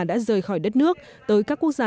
đã rời khỏi đất nước tới các quốc gia